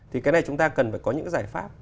thì cái này chúng ta cần phải có những giải pháp